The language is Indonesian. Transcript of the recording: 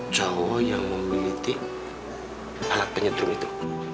cowok yang mau militi alat penyetrum itu